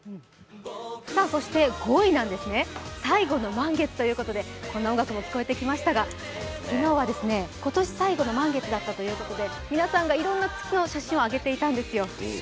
５位なんですね、最後の満月ということでこの音楽も聞こえてきましたが、昨日は今年最後の満月だったということで、皆さんがいろんな月の写真をあげていたんですよ。